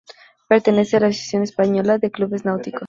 Pertenece a la Asociación Española de Clubes Náuticos.